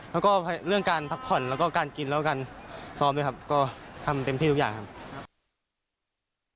แล้วก็เรื่องการพักผ่อนแล้วก็การกินแล้วกันซ้อมด้วยครับก็ทำเต็มที่ทุกอย่างครับ